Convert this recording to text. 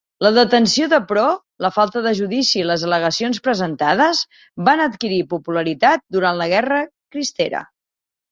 La detenció de Pro, la falta de judici i les al·legacions presentades van adquirir popularitat durant la Guerra Cristera.